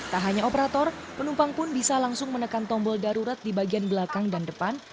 tak hanya operator penumpang pun bisa langsung menekan tombol darurat di bagian belakang dan depan